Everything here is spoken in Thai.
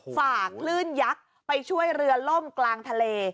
ฝากคลื่นยักษ์ไปช่วยเรือล่มกลางทะเล